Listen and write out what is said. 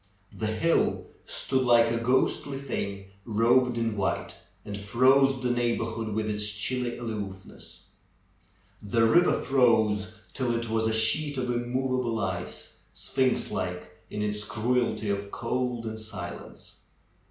The hill stood like a ghostly thing robed in white, and froze the neighborhood with its chilly aloofness. The river froze till it w^as a sheet of immovable ice, sphinx like in its cruelty of cold and silence.